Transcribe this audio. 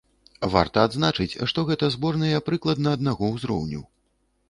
Варта адзначыць, што гэта зборныя прыкладна аднаго ўзроўню.